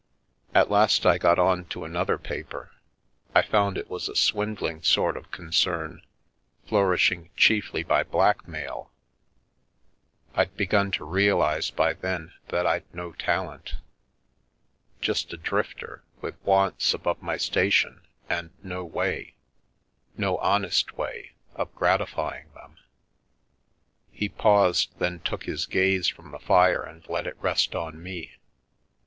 At last I got on to another paper. I found it was a swindling sort of concern, flourishing chiefly by blackmail. Td begun to realise by then that Fd no talent. Just a drifter, with wants' above my station and no way — no honest way — of gratifying them." He paused, then took his gaze from the fire and let it rest on me.